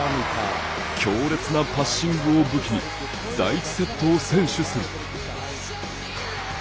強烈なパッシングを武器に第１セットを先取する。